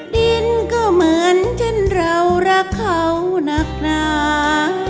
ดินก็เหมือนเช่นเรารักเขานักหนา